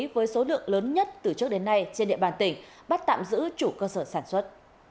với số lượng lớn nhất từ trước đến nay trên địa bàn tỉnh bắt tạm giữ chủ cơ sở sản xuất